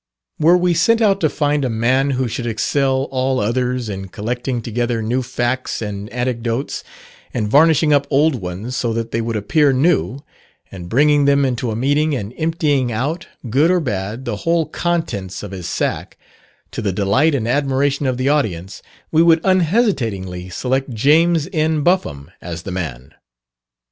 Were we sent out to find a man who should excel all others in collecting together new facts and anecdotes, and varnishing up old ones so that they would appear new, and bringing them into a meeting and emptying out, good or bad, the whole contents of his sack, to the delight and admiration of the audience, we would unhesitatingly select James N. Buffum as the man.